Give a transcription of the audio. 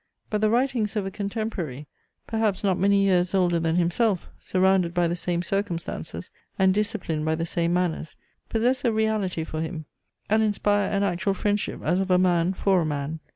But the writings of a contemporary, perhaps not many years older than himself, surrounded by the same circumstances, and disciplined by the same manners, possess a reality for him, and inspire an actual friendship as of a man for a man.